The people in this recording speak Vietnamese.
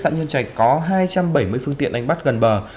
nhân trạch có hai trăm bảy mươi phương tiện đánh bắt gần bờ